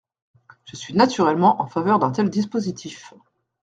Je suis naturellement en faveur d’un tel dispositif.